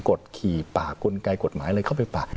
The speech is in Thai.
กดขี่ปากกลไกกฎหมายอะไรเข้าไปปาก